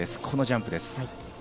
このジャンプです。